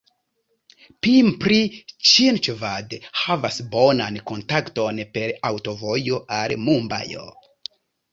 Pimpri-Ĉinĉvad havas bonan kontakton per aŭtovojo al Mumbajo.